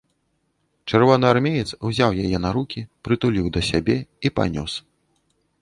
Чырвонаармеец узяў яе на рукі, прытуліў да сябе і панёс.